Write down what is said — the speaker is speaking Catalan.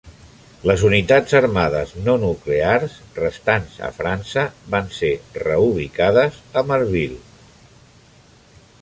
Les unitats armades no nuclears restants a França van ser reubicades a Marville.